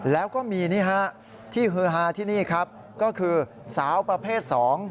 แล้วก็มีนี่ฮะที่ฮือฮาที่นี่ครับก็คือสาวประเภท๒